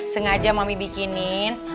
sengaja mami bikinin